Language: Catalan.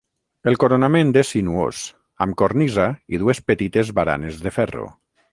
El coronament és sinuós, amb cornisa i dues petites baranes de ferro.